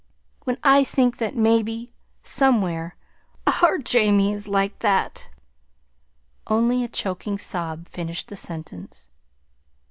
"When I think that maybe, somewhere, our Jamie is like that " Only a choking sob finished the sentence.